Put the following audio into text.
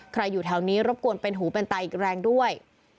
อยู่แถวนี้รบกวนเป็นหูเป็นตาอีกแรงด้วย